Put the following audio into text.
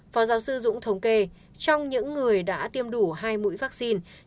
phó giáo sư dũng thống kê trong những người đã tiêm đủ hai mũi vaccine